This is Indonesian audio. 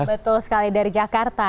betul sekali dari jakarta